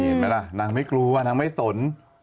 นี่ไงละน้างไม่กลัวน้างไม่ทน